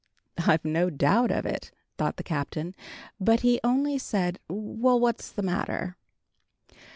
"I've no doubt of it," thought the Captain, but he only said, "Well, what's the matter?"